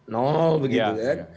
nol begitu kan